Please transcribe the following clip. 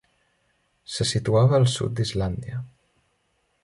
Se situava al sud d'Islàndia.